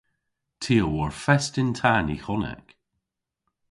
Ty a wor fest yn ta Nihonek.